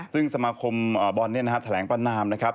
ซึ่งสมาคมบอลแถลงประนามนะครับ